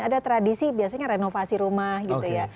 ada tradisi biasanya renovasi rumah gitu ya